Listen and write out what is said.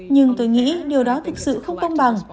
nhưng tôi nghĩ điều đó thực sự không công bằng